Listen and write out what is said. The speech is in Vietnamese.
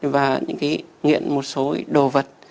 và những nghiện một số đồ vật